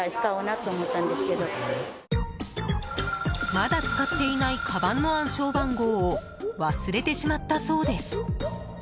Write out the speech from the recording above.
まだ使っていないかばんの暗証番号を忘れてしまったそうです。